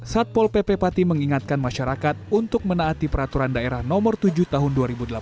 satpol pp pati mengingatkan masyarakat untuk menaati peraturan daerah nomor tujuh tahun dua ribu delapan belas